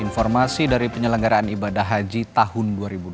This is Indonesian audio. informasi dari penyelenggaraan ibadah haji tahun dua ribu dua puluh